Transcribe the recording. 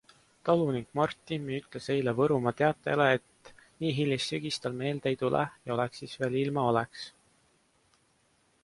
Talunik Mart Timmi ütles eile Võrumaa Teatajale, et nii hilist sügist tal meelde ei tule ja oleks siis veel ilma oleks.